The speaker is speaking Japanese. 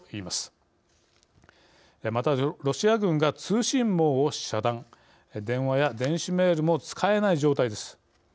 また、ロシア軍が通信網を遮断電話や電子メールも使えない状態です。